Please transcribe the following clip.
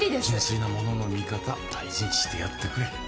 「純粋なものの見方大事にしてやってくれ」